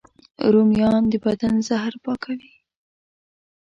رومیان د بدن زهر پاکوي